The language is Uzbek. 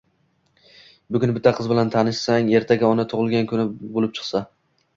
Bugun bitta qiz bilan tanishsang va ertaga uni tug'ilgan kuni bo'lib chiqsa..